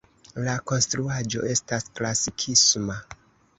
La konstruaĵo estas klasikisma.